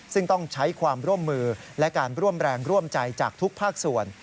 ซึ่งต้องใช้ความร่วมมือและการร่วมแรงร่วมใจจากทุกภาคส่วน